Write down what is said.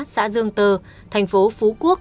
xã dương tơ thành phố phú quốc